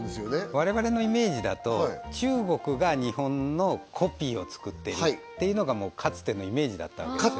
我々のイメージだと中国が日本のコピーを作っているっていうのがもうかつてのイメージだったわけですよね